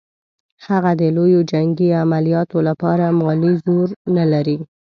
هغه د لویو جنګي عملیاتو لپاره مالي زور نه لري.